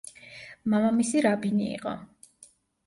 მამამისი რაბინი იყო.